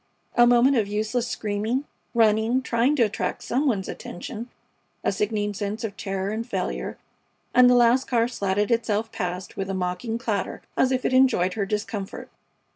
A moment of useless screaming, running, trying to attract some one's attention, a sickening sense of terror and failure, and the last car slatted itself past with a mocking clatter, as if it enjoyed her discomfort.